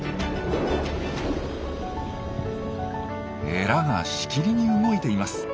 エラがしきりに動いています。